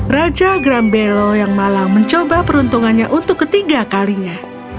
raja grambelo yang malang mencoba peruntungannya untuk ketiga kalinya